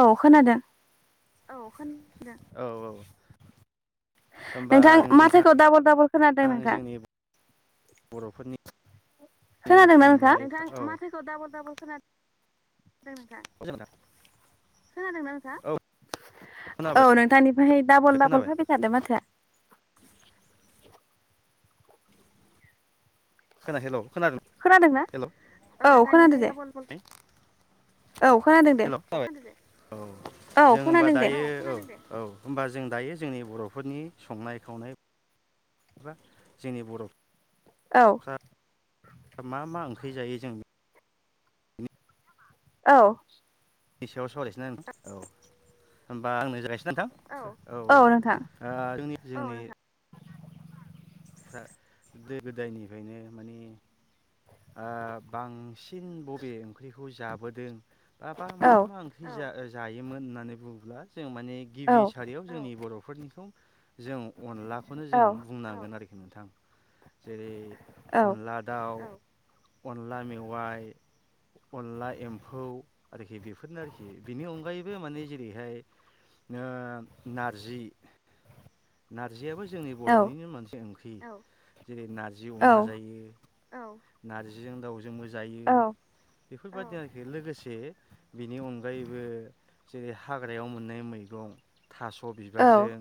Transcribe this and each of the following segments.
औ खोनादों औ [unintelligible] औ-औ नोंथां माथोखौ डाबल डाबल खोनादों नोंथां बर'फोरनि नि संनाय ओ नोंथां माथोखौ दाबल दाबल खोनादों नोंथां खोनादोंना नोंथां औ नोंथांनिफ्राय दाबल दाबल फायबायथादो माथोआ खोन हेल खोनादों हेल औ [unintelligible] हेल' जाबाय औ जों होमबा दायो औ औ होमबा जों दायो जोंनि बर'फोरनि संनाय खावनाय जोंनि बर' औ मा-मा ओंख्रि जायो जों औ नि सायाव [unintelligible] औ होमबा [unintelligible] ना नोंथां औ औ-औ आ जोंनि [unintelligible] नोंथां आ गोदो गोदायनिफ्रायनो माने आं बांसिन बबे ओंख्रिखौ जाबोदों बाबा मा-मा ओंख्रि जायोमोन होननानै बुङोब्ला जों माने गिबि सारियाव जोंनि बर'फोरनिखौ जों अनलाखौनो जों बुंनांगोन आरोखि नोंथां जेरै अनला दाउ औ अनला मेवाइ अनला एम्फौ आरोखि बेफोरनो आरोखि बिनि अनगायैबो माने जेरैहाय नो नारजि नारजियाबो जोंनि बर'निनो मोनसे ओंख्रि जेरै नारजि अमा जायो औ नारजिजों दाउजोंबो जायो बेफोरबायदि आरोखि लोगोसे बेनि अनगायैबो जेरै हाग्रायाव मोननाय मैगं थास' बिबारजों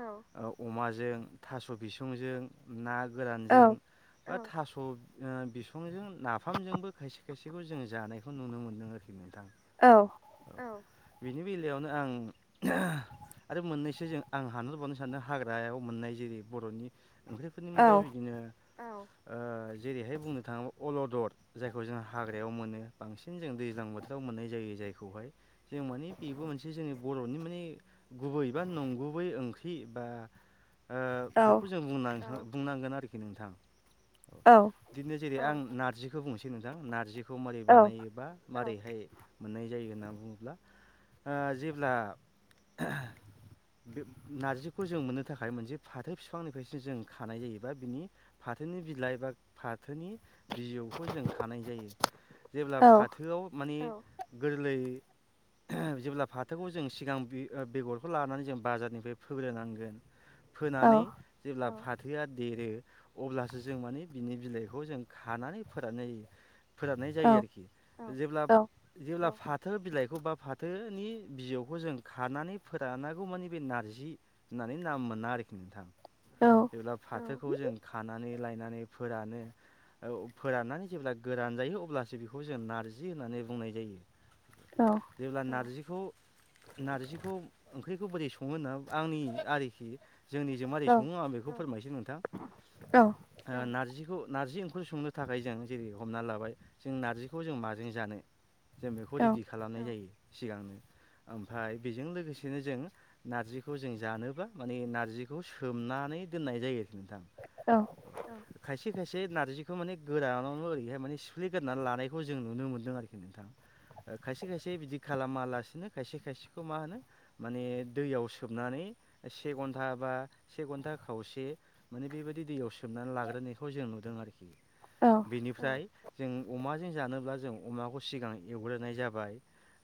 औ अमाजों थास' बिसंजों ना गोरानजों थास'ओ बिसंजों नाफामजोंबो खायसे खायसेखौ जोङो जानायखौ नुनो मोनदों आरोखि नोंथां औ औ बिनि बेलायावनो आं [unintelligible] आरो मोननैसो जों आं हानहबावनो सानदों हाग्रायाव मोननाय जेरै बर'नि ओंख्रिफोरनि मादाव बिदिनो औ ओ जेरैहाय बुंनो थां अलदद जायखौ जों हाग्रायाव मोनो बांसिन जों दैज्लां बोथोराव मोननाय जायो जायख खौहाय जों मानि बेबो मोनसे जोंनि बर'नि माने गुबै बा नंगुबै ओंख्रि बा ओ बेखौ जों बुंनां बुंनांगोन आरोखि नोंथां बिदिनो जेरै आं नारजिखौ बुंनोसै नोंथां नारजिखौ मोरै बानायोबा मारैहाय मोननाय जायो होननानै बुङोब्ला ओ जेब्ला [unintelligible] बेब नारजिखौ जों मोननो थाखाय मोनसे फाथो फिफांनिफ्रायसो जों खानाय जायो बा बिनि फा थोनि बिलाइ बा फाथ थोनि बिजौखौ जों खानाय जायो जेब्ला फाथोआव माने गोरलै जेब्ला फाथोखौ जों सिगां बि बेगरखौ लानानै जों बाजारनिफ्राय फोग्रोनांगोन फोनानै जेब्ला फाथ थोआ देरो अब्लासो जों माने बिनि बिलाइखौ जों खानानै फोराननाय जायो फोराननाय जायो आरोखि औ जेब्लाब जेब्ला फाथो बिलाइखौ बा फाथोनि बिजौखौ जों खानानै फोरानागौ मानि बे नार्जि होननानै नाम मोना आरोखि नोंथां जेब्ला फाथो खौ जों खानानै लायनानै फोरानो औ फोराननानै जेब्ला गोरान जायो अब्लासो बेखौ जों नारजि होननानै बुंनाय जायो। जेब्ला नारजिखौ नारजिखौ ओंख्रिखौ बोरै संङो होनना आंनि आरोखि जोंनिजों मारै संङो आं बे खौ फोरमायनोसै नोंथां ओ नार्जि खौ नार्जि ओंख्रि संनो थाखाय जों जेरै हमना लाबाय जों नार्जिखौजों माजों जानो जों बेखौ रेदि खालामनाय जायो सिगांनो ओमफाय बेजों लोगोसेनो जों नार्जिखौ जों जानोबा माने नार्जिखौ सोमनानै दोननाय जायो नोंथां खायसे खायसे एसे नारजिखौ माने गोरानावनो ओरैहाय माने सुफ्लेगोरनानै लानायखौ जों नुनो मोनदों आरोखि नोंथां ओ खायसे खायसे बिदि खालामालासिनो खायसे खायसेखौ मा होनो माने दैयाव सोबनानै नै से घन्टा बा से घन्टा खावसे माने बेबायदि दैयाव सोमनानै लाग्रोनायखौ जों नुदों आरोखि बेनिफ्राय जों अमाजों जानोब्ला जों अमाखौ सिगां एवग्रोनाय जाबाय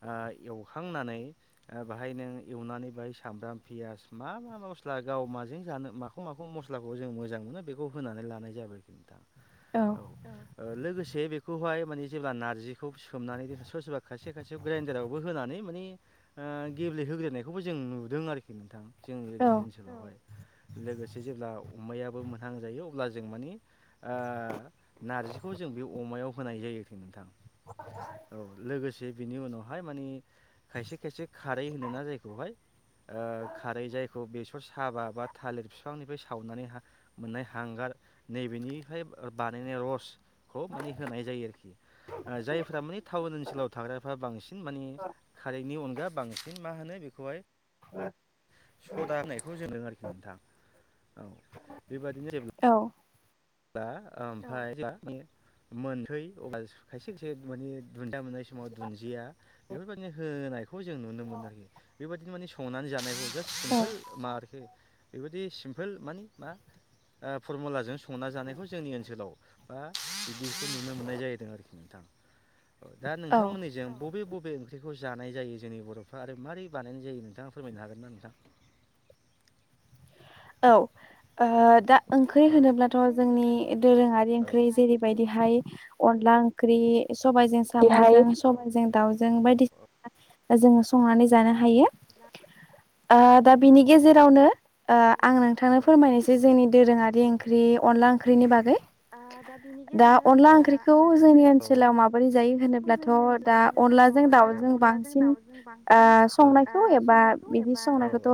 ओ एवखांनानै ओ बाहाय नों एवनानै बेाहाय सामब्राम पियास मा मा मस्ल स्ला गाव माजों जानो माखौ माखौ मस्लाखौ जों मोजां मोनो बेखौ होनानै लानाय जाबाय आरोखि नोंथां औ लोगोसे से बेखौहाय माने जेब्ला नार्जिखौ सोमनानै सोर सोरबा खायसे खायसे ग्राइडारावबो होनानै माने ओ गेब्लेहोग्रोनायखौबो जों नुदों आरोखि नोंथां जोंनि ओरैनि ओनसोलाव हाय लोगोसे जेब्ला अमायाबो मोनहां जायो अब्ला जों मानि ओ नार्जिखौजों बे अमायाव होनाय जायो आरोखि नोंथां जे बिनि उनावहाय मानि खायसे खायसे खारै होनोना जायखौहाय ओ खारै जायखौ बेसर साबा बा थालिर फिफांनिफ्राय सावनानै हा मोननाय हांगार नैे बिनिफ्राय ओ बानायनाय रसखौ होनाय जायो आरोखि ओ जा फोरा माने टाउन ओनसोलाव थाग्राफ्रा बांसिन माने कारेन्टनि अनगा बांसिन मा होनो बेखौहाय ओ सदा होननायखौ जों नुदों आरोखि नोंथां औ बेबादिनो जेब्ला दा ओमफाय मोनथै अब्ला खायसे खायसे माने दुन्दिया मोननाय समाव दुन्दिया बेफोरबायदि हो नायखौ जों नुनो मोनो आरोखि बेबायदिनो माने संनानै जानायखौ जास्ट सिम्पोल मा आरोखि बेबायाददि सिम्पोल माने मा ओ फरमुलाजों संना जानायखौ जोंनि ओनसोलाव बा बिदिखौ नुनो मोननाय जाहैदों आरोखि नोंथां दा नोंथांमोननिजों बबे बबे बे ओंख्रिखौ जानाय जायो जोंनि बरफ्रा आरो माबोरै बानायनाय जायो नोंथांङा फोरमायनो हागोन ना नोंथां [inaudible] औ ओ दा ओंख्रि होनोब्लाथ जोंनि दोरोंङारि ओंख्रि जेरैबायदिहाय अनला ओंख्रि सबाइजों सामजों सबाइजों दाउजों बायदि [inaudible] जोंङो संनानै जानो हायो। दा ओ दा बिनि गेजेरावनो ओ नोंथांनो फोरमायनोसै जोंनि दोरोंङारि ओंख्रि अनला ओंख्रिनि बागै दा अनला ओंख्रिखौ जोंनि ओनसोलाव माबोरै जा होनोब्लाथ दा अनलाजों दाउजों बांसिन ओ संनायखौ एबा बिदि संनायखौथ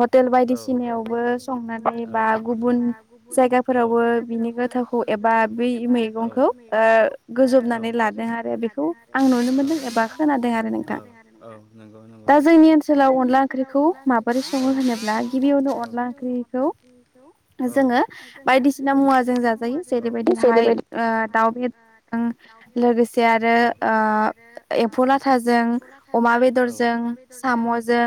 हटेल बायदिसिनायाव बो संनानै बा गुबुन जायगाफोरावबो बिनि गोथावखौ एबा बै मै मैगंखौ ओ गोजबनानै लादों आरो लादों आरो बेखौ दा जों नुदों बा खोनादों आरो नोंथां औ औ नंगौ दा जोंनि ओनसोल ख्रै माबोरै सङो होनोब्ला गिबियावनो अन ला ओंख्रिखौ जोंङो बायदिसिना मुवाजों जाजायो जेरैबायदिहाय। ओ दाउ बेदजों लोगोसे आरो। ओ एम्फौ लाथाजों अमा बेदरजों साम'जों।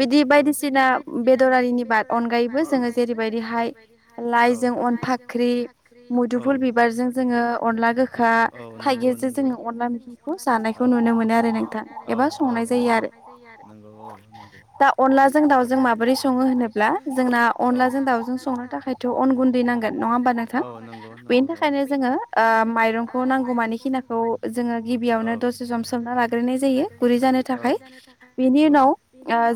बिदि बायदिसिना बेदरारिनि बाद बेदरारिनि बाद अनगायैबो जोंङो जेरैबायदिहाय औ लाइजों अन फाख्रि औ मुदुफु जोंङो अनला गोखा थाइगिरजों जोंङो अन। गिरजों जोंङो अनला मैखि जानायखौ नुनो मोनो आरो एबा संनाय जायो आरो। दा अनलाजों दाउजों माबोरै संङो होनो ब्ला जोंना अनलाजों दाउजों संनो थाखायथ' अन गुन्दै नांगोन नंङा होनबा नोंथां बेनि थाखायनो। जोंङो ओ मायरंखौ नांगौ मानि खिनाखौ जों। ङो गिबियावनो दसे सम सोमना लाग्रोननाय जायो गुरै जानो थाखाय बेनि उनाव ओ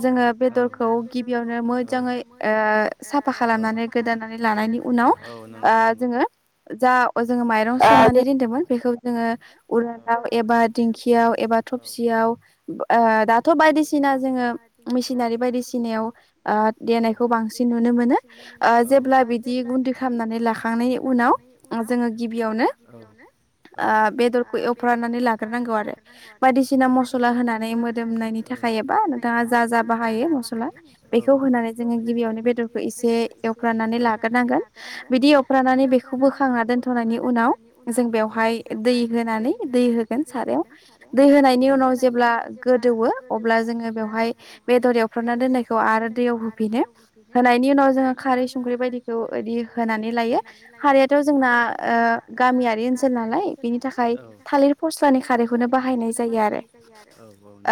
जों जोङो बेदरखौ गिबियावनो मो जाङै ओ साफा खालामनानै गोदानानै लानायनि उनाव ओ जोंङो। जा जोंङो माइरं सोमनानै दोनदोंमोन बेखौ। जोंङो उरालाव एबा दिंखियाव एबा थफसियाव ओ दाथ' बायदिसि ना जोंङो मेसिनारि बायदिसिनायाव ओ देनायखौ बांसिन नुनो मोनो ओ जेब्ला बिदि गुन्दै खालामनानै लाखांनायनि उनाव जोंङो गिबियावनो ओ बेदर खौ एवफ्रानानै लाग्रोनांगौ आरो बायदिसिना मसला होनानै मोदोमनायनि थाखाय एबा नोंथाङा। जा जा बाहायो मसला बेखौ होनानै जोंङो गिबियावनो बेदरखौ एसे एवफ्रानानै लाग्रोनांगोन बिदि एवफ्रानानै बे खौ बोखांनानै दोनथ'नायनि उनाव जों बेहाय दै हो होनानै दै होगोन सारायाव दै होनायनि उनाव जेब्ला गोदोवो अब्ला जोंङो बेवहा बेयाव बेदर एवफ्रामना दोननायखौ। खौ आरो दैयाव होफिनो होनायनि उनाव जोंङो खारै संख्रि बायदिखौ बिदि होनानै लायो। खारैयाथ ओ जोंना गामियारि ओनसोल नालाय बेनि थाखाय। थालिर फस्लानि खारैखौनो बाहायनाय जायो आरो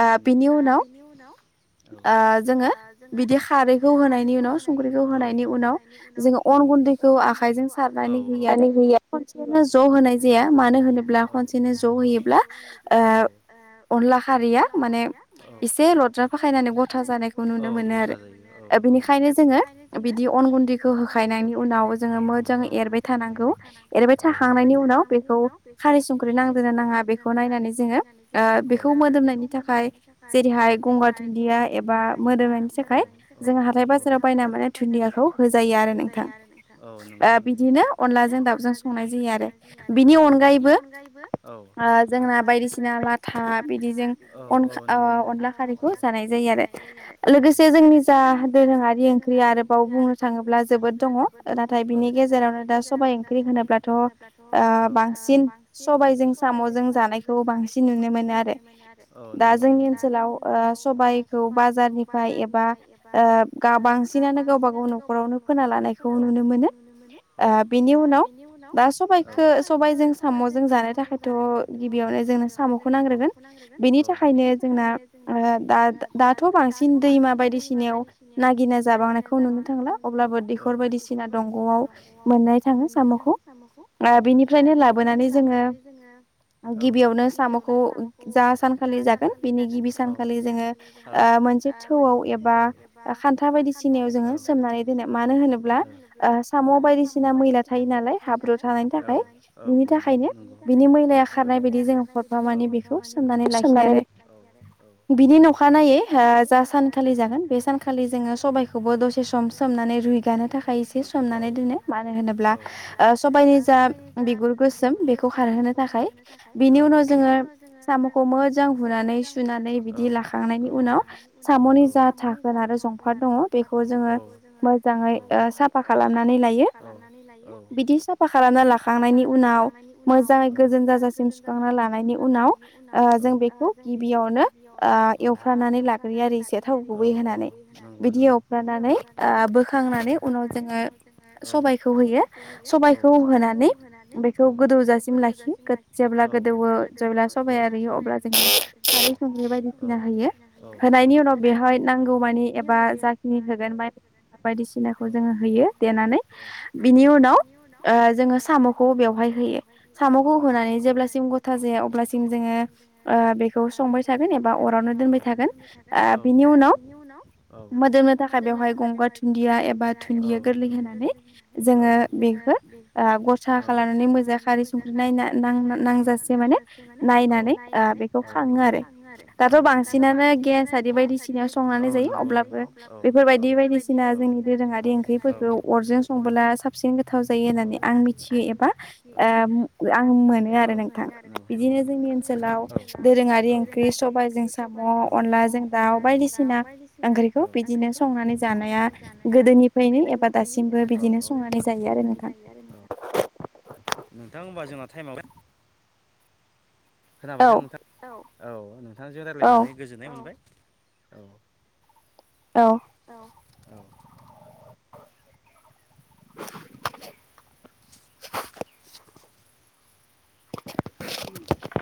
ओ बिनि उनाव। ओ जोंङो। बिदि खारैखौ होनायनि उनाव संख्रिखौ होनायनि उनाव जोंङो अन गुन्दैखौ आखायजों सार। औ औ सारनानै होयो। खनसेनो ज होनाय जाया मानो होनो ब्ला खनसेनो जहोयो ओ अनला खारैया माने इसे ल' द्रा फाखायनानै गथा जानायखौ नु औ गथा जायो औ औ बिनिखायनो जोंङो बिदि अन गुन्दैखौ होखायनायनि उनाव जों। एरबाय थानांगौ एरबाय थाखांनायनि उनाव बेखौ खार संख्रि नांदोंना नाङा बेखौनायनानै जोंङो ओ बे मोदोमनायनि थाखाय जेरैहाय गंगार दुनदिया एबा एबा औ मोदोमनायनि थाखाय जों हाथाय बाजाराव बायना माने दुन्दियाखौ होजायो आरो नोंथां औ नं बिदिनो अनलाजों दउजों संनाय जायो आरो बिनि अनगायैबो। जोंना बायदिसिना लाथा बिदिजों अन ओ अनला खारैखौ जानाय। जानाय जायो आरो। लोगोसे जोंनि जा दोरोंङारि ओंख्रि आरोबाव बुंनो थाङोब्ला जोबोद दङ नाथाय बिनि गेजेरावनो दा सबबाय ओंख्रि होनोब्लाथ ओ बांसिन। बांसिन सबायजों सामजों जानायखौ बांसिन नुनो मोनो आरो दा जोंनि ओनसोलाव सबाइखौ बाजारनि बाजारनिफ्राय एबा ओ बांसिनानो गावबा गाव नखरावनो फोना लानायखौ नुनो मोनो। ओ बिनि उनाव दा सबायखौ सबायजों सामजों। जानो थाखायथ गिबियावनो जोंनो सामखौ नांग्रोगोन बेनि थाखायनो जोंना ओ। दा दाथ बांसिन। दैमा बायदिसिनायाव नागिरना जाबांनायखौ नुनो थांला अब्लाबो दैखर बायदिसिना दंगआव मोननाय थाङो सामखौ बिनिफ्रायनो लाबोनानै जों लाबोनानै जोंङो गिबियावनो सामखौ जा सानखालि जागोन बिनि गिबि सानखालि जोंङो ओ मोनसे थौआव एबा खान्था बायदिसिनायाव जोंङो सोमनानै दोनो मानो होनोब्ला ओ साम बायदिसिना मैला थायो नालाय हाब्रु थानायनि थाखाय बिनि थाखायनो बिनि मैलाया खारनाय बायदि जोंङो हरफा मानि बेखौ सोमनानै लाखियो आरो बिनि नखानायै ओ जास सानखालि जागोन बे सानखालि जोंङो सबायखौबो दसे सम सोमनानै रुइगानो थाखाय एसे सोमनानै दोनो मानो होनोब्ला सबायनि जा बिगुर गोसोम बे खौ खारहोनो थाखाय बिनि उनाव जों सामखौ मोजां हुनानै सुनानै बिनि लाखांनायनि उनाव सामनि जा थाखोन आरो जंफाद दङ बेखौ जोंङो मोजाङै साफा खालामनानै बि लायो बिदि साफा खालामना लाखांनायनि उनाव मोजाङै गोजोन जाजासिम सुखांना लानायनि उनाव ओ जों बेखौ गिबियावनो ओ एवफ्रानानै ला यारिसे थाव गुबै होनानै बिदि एवफ्रामनानै ओ बोखांनानै उनाव जोंङो सबबायखौ होयो सबबायखौ होनानै बेखौ गोदौ जासि लाखियो जेब्ला गोदौवो जेब्ला सबाइयो अब्ला जोंङो सारै संख्रि बायदिसिना होनायनि उनाव बेहाय नांगौ। उवानि एबा जाखिनि होगोन बायदिसिनाखौ जोंङो होयो देनानै बेनि उनाव उनाव जोंङो ओ सामखौ बेयावहाय होयो सामखौ बेवहाय होनानै जेब्लासिम गथा जाया अब्लासिम जोंङो ओ बेखौ संबाय थागोन एबा अरावनो दोनबाय थागोन दोनबाय थागोन औ बिनि उनाव मोदोमनो थाखाय बेवहाय गंगार थुन्दिया एबा थुन्दिया गोरलै होनानै जोङो बे बो ओ गसा खालामनानै मोजां खारै संख्रै नायना नांजासे माने नायनानै नायनानै बेखौ खाङो आरो दाथ' बांसिन गेस आरि बायदिसिनायाव संनानै जायो अब्लाबो बेफोरबायदि बायदिसिना जोंनि दोरोङारि ओंख्रिफोरखौ अरजों संबोला साबसिन गोथ गोथाव जायो होननानै आं मिथियो एबा ओ आं मोनो आरो नोंथां। बिदिनो जोंनि ओनसोलाव दोरोङारि ओंख्रि सबायाइजों साम' अनलाजों दाउ बायदिसिना ओंख्रिखौ बिदिनो संनानै जानाया गोदोनिफ्रायनो एबा दासिमबो बिदिनो संनानै जायो आरो नोंथां होमबा जोंहा टाइमा खोनाबायदां नोंथां? औ नोंथांजों रायज्लायनानै गोजोननाय मोनबाय औ औ औ [unintelligible]